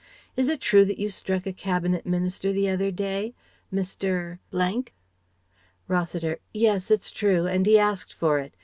Is it true that you struck a Cabinet minister the other day? Mr. ?" Rossiter: "Yes, it's true, and he asked for it.